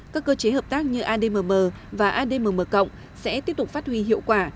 các cơ chế hợp tác như admm và admm sẽ tiếp tục phát huy hiệu quả